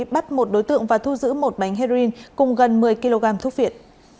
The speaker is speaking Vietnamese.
bắt một đối tượng và thu giữ một bánh heroin cùng gần một mươi kg thuốc viện